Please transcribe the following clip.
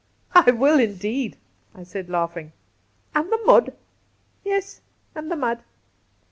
' I wUl indeed,' T said, laughing. ' An' the mud V ' Yes, and the mud.'